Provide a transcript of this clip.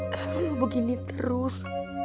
kalau lo begini terus